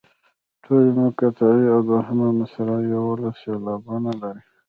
ټولې مقطعې او دوهمه مصرع یوولس سېلابونه لري.